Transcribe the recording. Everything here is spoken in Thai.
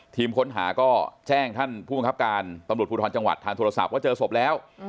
ทีมค้นหาก็แจ้งท่านผู้บังคับการตำรวจภูทรจังหวัดทางโทรศัพท์ว่าเจอศพแล้ว